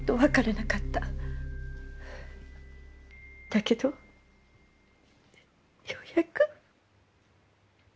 だけどようやく。